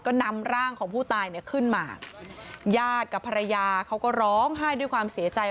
ก็นำร่างของผู้ตายเนี่ยขึ้นมาญาติกับภรรยาเขาก็ร้องไห้ด้วยความเสียใจ